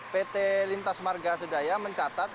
pt lintas marga sudaya mencatat